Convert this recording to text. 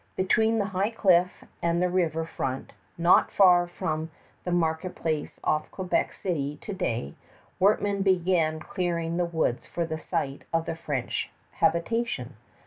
Between the high cliff and the river front, not far from the market place of Quebec City to day, workmen began clearing the woods for the site of the French habitation.